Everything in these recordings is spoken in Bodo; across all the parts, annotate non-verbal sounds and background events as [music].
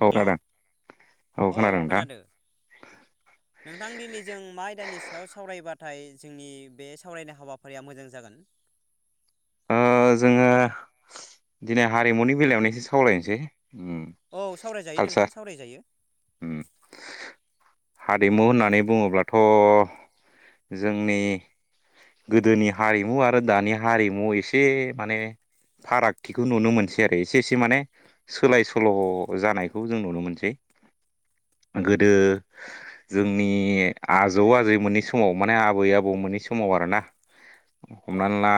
औ हेलौ खोनादों औ खोनादों नोंथां नोंथां दिनै जों मा आयदानि सायाव सावरायबा नाथाय जोंनि बे सावरायनाय हाबाफारिया मोजां जागोन ओ जोंङो दिनै हारिमुनि बेलायावनो एसे सावरायनोसै उम औ सावरायजायो कालसार नोंथां सावरायजायो। उम हारिमु होननानै बुंङोब्लाथ' जोंनि गोदोनि हारिमु आरो दानि हारिमु एसे माने फारागथिखौ नुनो मोनसै आरो एसे एसे माने सोलाय सोल' जानायखौ जों नुनो मोनसै। [inaudible] गोदो जोंनि आजौ-आजै मोननि समाव माने आबै-आबौ मोनै समाव आ रोना हमनानै ला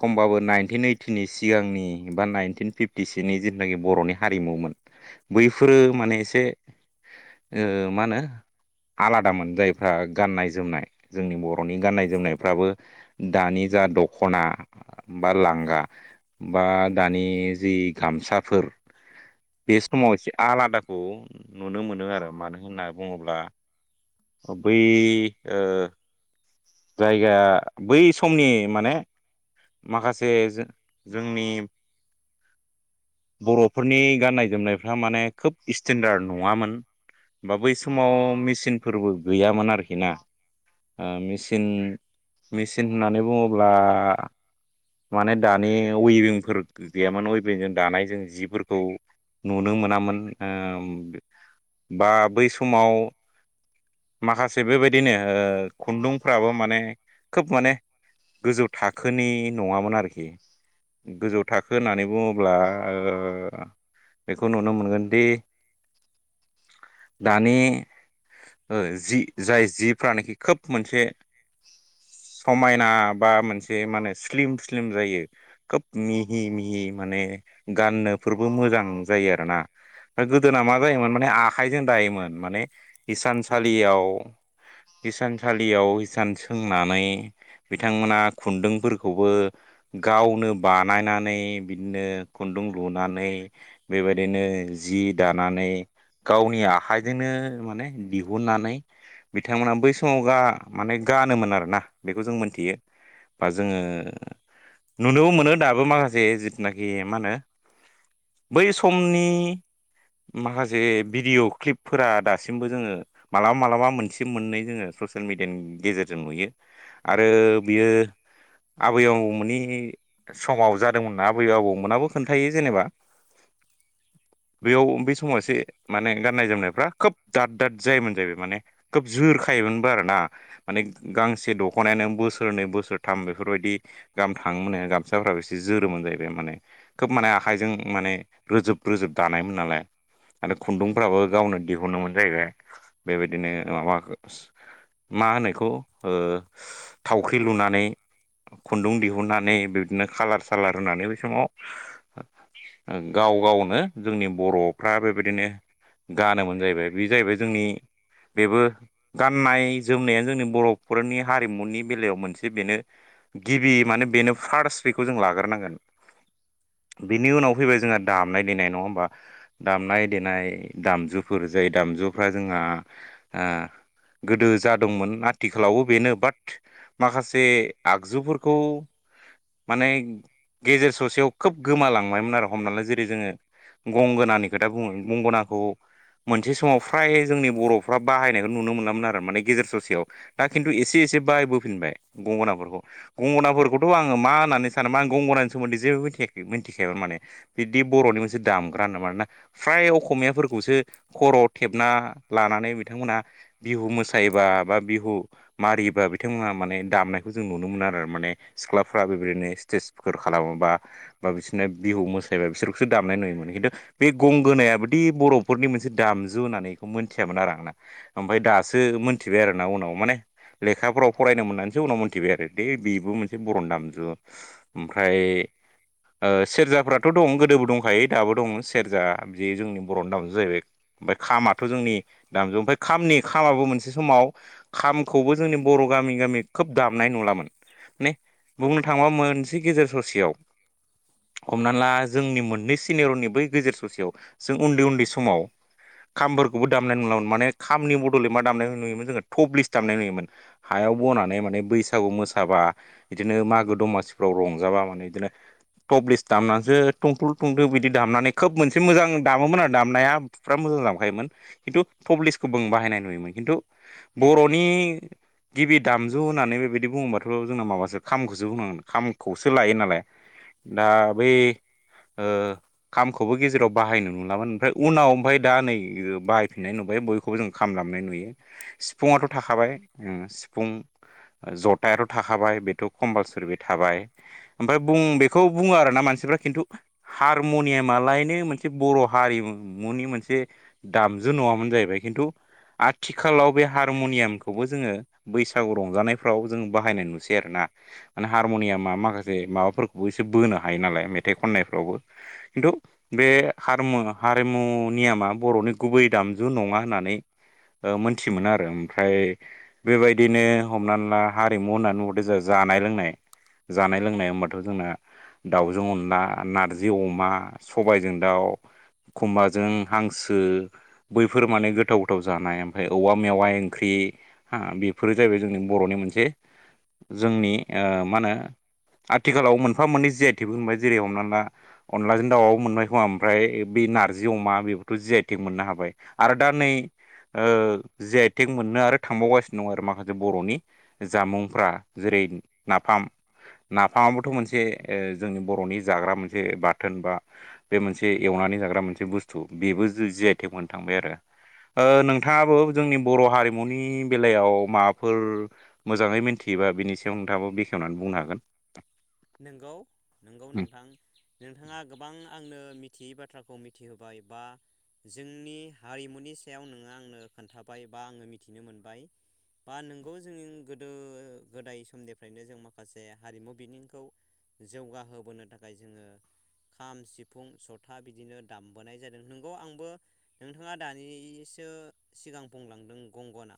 खमबाबो नाइनटिन ओइटिनि सिगांनि बा नाइनटिन फिफ्टिसोनि जिथनाखि बर'नि हारिमु मोनो बैफोरो माने एसे ओ मा होनो आलादामोन जायफ्रा गाननाय-जोमनाय जोंनि बर' नि गान्नाय जोमनायफ्राबो दानि जा दख'ना बा लांगा बा दानि जि गामसाफोर बे समाव एसे आलादाखौ नुनो मोनो आरो मानो होनना बुङोब्ला अ बै ओ जायगा बै समनि माने माखासे जो जोंनि बर'फोरनि गाननाय जोमनायफ्रा माने खोब इस्टेन्दार्ड नङामोन। बा बै समाव मेचिनफोरबो गैयामोन आरोखि ना। ओ मेचिन मेचिन होननानै बुङोब्ला माने दानि अइभिंफोर गैयामोन अइभिंजों दानाय जों जिफोरखौ नुनो मोनामोन ओ बा बै समाव माखासे बेबायदिनो ओ खुन्दुंफ्राबो माने खोब माने गोजौ थाखोनि नङामोन आरोखि गोजौ थाखो होननानै बुङोब्ला ओ बेखौ नुनो मोनगोनदि दानि ओ जि जाय जिफ्रानोखि खोब मोनसे समायना बा मोनसे मा होनो ख्लिम स्लिम जायो खोब मिहि मिहि माने गाननोफोरबो मोजां जायो आरो ना गोदोना मा जायोमोन माने आखाइजों दायोमोन माने हिसानसालियाव हिसानसालियाव हिसान सोंनानै बिथांमोना खुन्दुंफोर खौबो गावनो बानायनानै बिदिनो खुन्दुं लुनानै बे फोरबायदिनो जि दानानै गावनि आखाइजोंनो माने दिहुननानै बिथांमोना बै समाव गा माने गानोमोन आरोना बेखौ जों मोनथियो बा जों ओ नुनोबो मोनो दाबो माखासे जिथुनाखि मा होनो बै समनि माखासे भिडिअ' क्लिपफोरा दासिमबो जोङो मालाबा मालाबा मोनसे मोननै जोङो ससियेल मिडियानि गेजेरजों नुयो आरो बियो आबै आबौमोननि समाव जादोंमोनना आबै आबौमोनाबो खोन्थायो जेनेबा [inaudible] बेयाव बे समाव एसे माने गाननाय जोमनायफ्रा खोब दाद दाद जायोमोन जाहैबाय माने खोब जोर खायोमोनबो आरोना माने गांसे दख'नायानो बोसोरनै बोसोर थाम बेफोरबायदि गाहाम थाङोमोन्नो आरो गामसाफ्राबो एसे जोरोमोन जाहैबाय माने खोब माने आखाइजों मा ने रोजोब रोजोब दानायमोन नालाय आरो खुन्दुंफ्राबो गावनो दिहुनोमोन जाहैबाय बेबायदिनो माबा मा होनो इखौ ओ थावख्रि लुनानै खुन्दुं दिहुननानै बिदिनो खालार सालार होनानै बै समाव ओ गाव गावनो जोंनि बर'फ्रा बेबायदिनो गानोमोन जाहैबाय बे जाहैबाय जोंनि बेबो गाननाय जोमनाया जोंनि बर'फोरनि हारिमुनि बेलायाव मोनसे बेनो गिबि माने बेनो फार्स बेखौ जों लाग्रोनांगोन। [inaudible] बिनि उनाव फैबाय जोंहा दामनाय देनाय नङा होमबा? दामनाय देनाय दामजुफोर जाय दाम जुफ्रा जोंहा ओ गोदो जा दंमोन आथिखालावबो बेनो बाट माखासे आगजुफोरखौ माने गेजेर ससेयाव खोब गोमालांबायमोन आरो हमनाला जेरै जोङो गंगोननि खोथा बुङो गंगोनखौ मोनसे समाव फ्राय जोंनि बर'फ्रा बाहायनायखौ नुनो मोनामोन आरो माने गेजेर ससेयाव दा खिन्थु एसे एस से बाहायबोफिनबाय गंगोनफोरखौ। गंगनाफोरखौथ' आङो मा होननानै सान मा आं गंगनानि सोमोन्दै जेबो मिथिखै मिथखायामोन माने बिबदि बर'नि मोनसे दामग्रा होनना। मानोना फ्राय अखमियाफोरखौसो खर' थेबना लानानै बिथांमोना बिहु मोसायोबा बा बिहु मारिबा बिथांमोना माने दामनायखौ जों नु योमोन आरो माने सिख्लाफ्रा बेबायदिनो स्टेजफोर खालामोबा बा बिसोरनो बिहु मोसायोबा बि सोरखौसो दामनाय नुयोमोन खिन्थु बे गंगोनायाबदि बर'फोरनि मोनसे दामजु होननानैखौ मोनथियामोन आरो आं। ओमफाय दासो मोनथिबाय आरोना उनाव माने लेखाफोराव फरायनो मोननानैसो उनाव मोनथिबाय आरो दे बेबो मोनसे बरनि दामजु। ओमफ्राय ओ सेरजाफ्राथ' दं गोदोबो दंखायो दाबो दं सेरजा बे जोंनि बर'नि दामजु जाहैबाय। ओमफ्राय खामाथ' जोंनि दामजु ओमफ्राय खामनि खामाबो मोनसे समाव खामखौबो जोंनि बर' गामि गामि खोब दामनाय नुलामोन‌ ने बुंनो थाङोबा मोनसे गेजेर ससेयाव हमना ला जोंनि मोननै सिनियरनि बै गेजेर ससेयाव जों उन्दै उन्दै समाव खामफोरखौबो दामनाय नुलामोन। माने खामनि बदलै मा दामनाय नुयोमोन जोङो टप लिस्ट दामनाय नुयोमोन। हा याव बनानै माने बैसागु मोसाबा बिदिनो मागो दमासिफ्राव रंजाबा माने बिदिनो‌ टपलेस दामनानैसो तंतुल तंदो बिदि दामनानै खोब मोनसे मोजां दामोमोन आरो दामनाया थुफ्रा मो लाबखायोमोन खिन्थु थब्लेस खौबो आं बाहायनाय नुयोमोन खिन्थु बर'नि गिबि दामजु होननानै बेबायदि बुङोबा थ' जोंना माबासो खामखौसो बुंनांगोन खामखौसो लायो नालाय। दा बै ओ खामखौबो गेजेराव बाहायनो नुलामोन ओमफ्राय उनाव ओमफाय दा नै बाहायफिननाय नुबाय। बे बयखौबो जों खाम दामनाय नुयो सिफुङाथ' थाखाबाय ओ सिफुं ओ जथ थायाथ' थाखाबाय बेथ' कम्पालसरि बे थाबाय ओमफ्राय बुं बेखौ बुङो आरोना मानसिफ्रा खिन्थु हारमुनियामालायनो मोनसे बर' हारिमुनि मोनसे दामजु नङामोन जायो बाय किनतु आथिखालाव बे हारमनियामखौबो जोङो बैसागु रंजानायाफ्राव जों बाहायनाय नुसै आरोना माने हारमनियामा माखासे माबाफोरखौबो इसे बोनो हायो नालय मेथाइ खन नायफ्रावबो किनतु बे हारमो हारमुनियामा बर'नि गुबै दामजु नङा होननानै ओ मोनथियोमोन आरो ओमफ्राय बेबायदिनो हमनानै ला हारिमु होननानै नुदोसो जानाय लोंनाय जानाय लोंनाय होनबाथ' जोंना दाउजों अनला नारजि अमा सबायजों दाउ खुमबाजों हांसो बैफोर माने गोथाव गोथाव जानाय ओमफाय औवा मेवाय ओंख्रि इ बेफोरो जाहैबाय जोंनि बर'नि मोनसे जोंनि ओ मा होनो आथिखालाव मोनफा मोननै जि आइ टिबो होनबाय जेरै हमना ला अनलाजों दाउाबबो मोनबाय खोमा ओमफ्राय बे नारजि अमा बेबोथ' जि आइ टेग मोननो हाबाय आरो दा नै ओ जि आइ तेग मोननो आरो थांबावगासिनो दं आरो माखासे बर'नि जामुंफ्रा जेरै नाफाम नाफामाबोथ' मोनसे ओ जोंनि बर'नि जाग्रा मोनसे बाथोन बा बे मोनसे एवना नानै जाग्रा मोनसे बुस्थु बेबो जो जि आइ थेग मोननो थांबाय आरो। ओ नोंथाङाबो जोंनि बर' हारिमुनि बेलायाव माबाफोर मोजाङै मिथियोबा बिनि सायाव नोंथाङाबो बेखेवनानै बुंनो हागोन। नंगौ नंगौ नोंथां नोंथाङा गोबां आंनो मिथियैबाद थ्राखौ मिथिहोबाय बा। जोंनि हारिमुनि सायाव नोङो आंनो खोन्थाबाय बा आङो मिथिनो मोनबाय। बा नोंगौ जोंनि गोदो गोदाय समनिफ्रायनो जों माखासे हारिमु बिनिंखौ जौगाहोबोनो थाखाय जोङो। खाम-सिफुं जथा बिदिनो दामबोनाय जादों नंगौ आंबो नोंथाङा दानि सो सिगां बुंलांदों गंगना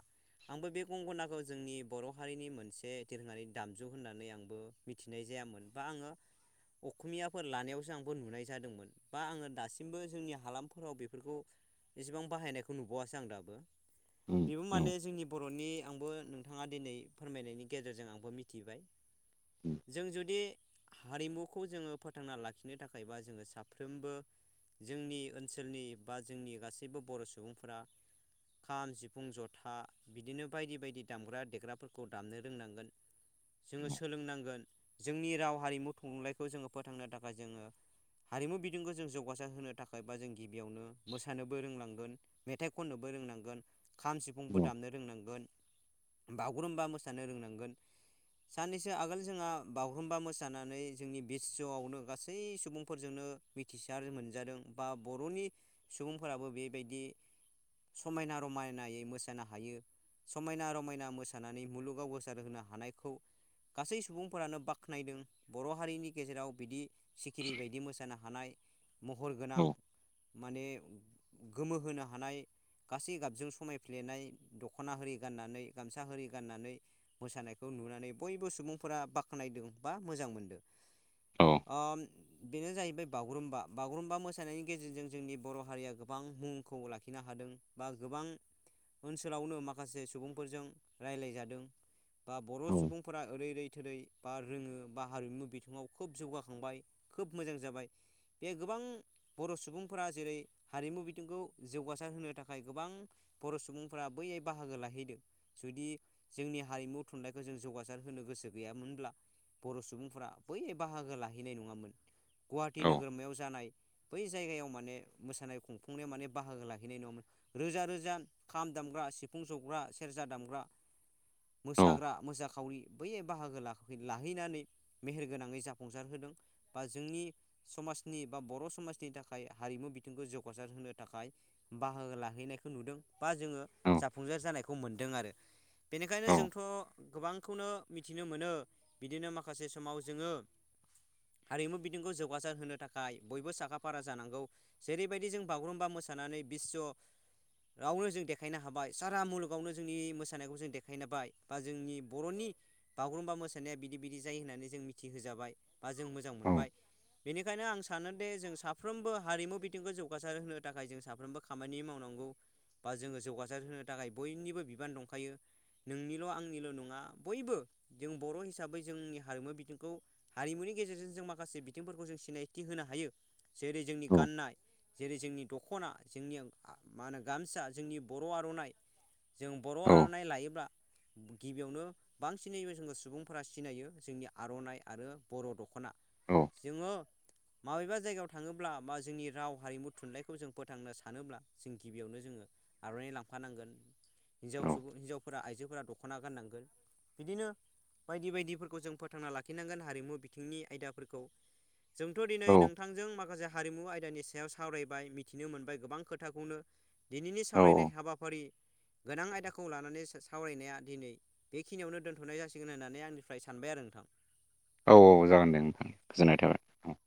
आंबो बे गंग'नाखौ जोंनि बर' हारिनि मोनसे दोरोङारि दामजु होननानै आंबो मिथिनाय जायामोन बा आङो अख'मियाफोर लानायावसो आंबो नुनाय जादोंमोन बा आङो दासिमबो जोंनि हालामफोराव बेफोरखौ एसेबां बाहायनायखौ नुबावासो आं दाबो बेबो माने जोंनि बर'नि आंबो नोंथाङा दिनै फोरमायनायनि गेजेरजों आंबो मिथिबाय। औ जों जुदि हारिमुखौ जोङो फोथांना लाखिनो थाखाय बा जोङो साफ्रोमबो जोंनि ओनसोलनि बा जोंनि गासैबो बर' सुबुंफोरा खाम-सिफुं जथा बिदिनो बायदि-बायदि दामग्रा देग्राफोरखौ दामनो रोंनांगोन। जोङो औ सोलोंनांगोन जोंनि राव हारिमु थुनलाइखौ जोङो फोथांनो थाखाय जोङो हारिमु बिथिंखौ जों जौगासार होनो थाखाय बा जों गिबियावनो मोसानोबो रोंनांगोन मेथाइ खननोबो रोंनांगोन। खाम सिफुंबो दामनो रोंनांगोन। बागुरुम्बा मोसानो रोंनांगोन। साननैसो आगोल जोंहा बागुरुम्बा मोसानानै जोंनि बिश्ह'आवनो गासै सुबुंफोरजोंनो मिथिसार मोनजादों। बा बर'नि सुबुंफोराबो बेबायदि समायना-रमायनायै मोसानो हायो। समायना-रमायना मोसानानै मुलुगाव गोसार होनो हानायखौ गासै सुबुं फोरानो बाख्नायदों बर' हारिनि गेजेराव बिदि सिखिरि बायदि मोसानो हानाय महर गोनां औ माने गोमो होनो हानाय गासै गाबजों समायफ्लेनाय दख'ना होरि गाननानै गामसा होरि गाननानै मोसानायखौ नुनानै बयबो सुबुंफोरा बाख्नायदों बा मोजां मोनदों। औ अ बेनो जाहैबाय बागुरुम्बा। बागुरुम्बा मोसानायनि गेजेरजों जोंनि बर' हारिया गोबां मुंखौ लाखि नो हादों बा गोबां ओनसोलावनो माखासे सुबुंफोरजों रायलायजादों बा बर' औ सुबुंफोरा ओरै-रै-थोरै बा रोङो बा हारिमु बिथिङाव खोब जौगाखांबाय खोब मोजां जाबाय बे गोबां बर' सुबुंफोरा जेरै हारिमु बिथिंखौ जौगासार होनो थाखाय गोबां बर' सुबुंफोरा बैहाय बाहागो लाहैदों जुदि जोंनि हारिमु थुनलाइखौ जों जौगासार होनो गोसो गैयामोनब्ला बर' सुबुंफोरा बै बाहागो लाहैनाय नङामोन गुवाहाटि नोगोरमायाव जानाय बै जायगायाव माने मोसानाय खुंफुंनायाव माने बाहागो लाहैनाय नङामोन रोजा-रोजा खाम दामग्रा सिफुं सुग्रा, सेरजा दामग्रा, औ मोसाग्रा मोसाखावरि बैहाय बाहागो ला लाहैनानै मेहेर गोनांङै जाफुंसार होदों बा जोंनि समाजनि बा बर' स समाजनि थाखाय हारिमु बिथिंखौ जौगासार होनो थाखाय बाहागो लाहैनायखौ नुदों। बा जोङो जाफुंसार जानायखौ मोनदों आरो। बेनिखायनो औ जोंथ' गोबांखौनो मिथिनो मोनो। बिदिनो माखासे समाव जोङो हारिमु बिथिंखौ जौगासार होनो थाखाय बयबो साखा-फारा जानांगौ जेरैबायदि जों बागुरुम्बा मो सानानै बिस्व' रावनो जों देखायनो हाबाय सारा मुलुगावनो जोंनि मोसानायखौ जों देखायनबाय बा जोंनि बर'नि बागुरुम्बा मो नाया बिदि-बिदि जायो होननानै जों मिथि होजाबाय बा जों मोजां मोनबाय बेनिखायनो आं सानो दे जों साफ्रोमबो हारिमु बिथिंखौ जौगासार होनो थाखाय जों साफ्रोमबो खामानि मावनांगौ। बा जोङो जौगासार होनो थाखाय बयनिबो बिबान दंखायो। नोंनिल' आंनिल' नङा बयबो जों बर' हि साबै जोंनि हारिमु बिथिंखौ हारिमुनि गेजेरजों जों माखासे बिथिंफोरखौ जों सिनायथि होनो हायो। जेरै जोंनि गाननाय जेरै जोंनि दख'ना जोंनि आ मा होनो गामसा जोंनि बर' आर'नाइ जों बर' औ आर'नाइ लायोब्ला गिबियावनो बांसिनै जों सुबुं फोरा सिनायो जोंनि आर'नाइ आरो बर' दख'ना जोङो माबेबा जायगायाव थाङोब्ला बा जोंनि राव हारिमु थुनलाइखौ जों फोथांनो सानोब्ला जों गिबियावनो जोङो आर'नाइ लांफानांगोन ‌। हिनजाव सुबुं हिन्जावफोरा आइजोफोरा दख'ना गाननांगोन बिदिनो बायदि बायदिफोरखौ जों फोथांना लाखिनांगोन हारिमु बिथिंनि आयदाफोरखौ। जोंथ' दिनै नोंथांजों माखासे हारिमु आ यदानि सायाव सावरायबाय मिथिनो मोनबाय गोबां खोथाखौनो दिनैनि औ सावरायनाय हाबाफारि गोनां आयदाखौ लानानै सा-सावरायनाया दिनै बेखिनियावनो दोनथ'नाय जासिगोन [unintelligible] माने आंनिफ्राय सानबाय आरो नोंथां। औ औ जागोन दे नोंथां गोजोननाय थाबाय औ।